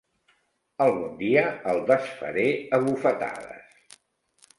Algun dia el desfaré a bufetades.